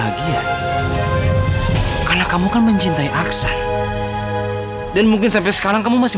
bahagia karena kamu kan mencintai aksa dan mungkin sampai sekarang kamu masih